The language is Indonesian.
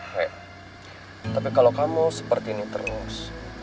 hei tapi kalau kamu seperti ini terus